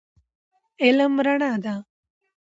علم رڼا ده